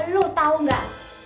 lo tau gak